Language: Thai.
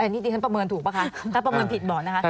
นี่ดิฉันประเมินถูกป่ะคะถ้าประเมินผิดบอกนะคะ